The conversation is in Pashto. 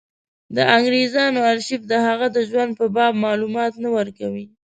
د انګرېزانو ارشیف د هغه د ژوند په باب معلومات نه ورکوي.